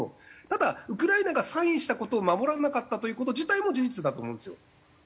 ただウクライナがサインした事を守らなかったという事自体も事実だと思うんですよ。